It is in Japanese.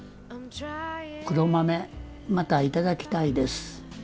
黒豆またいただきたいです。